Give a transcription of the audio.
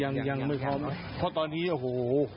ยังไม่พร้อมเพราะตอนนี้โห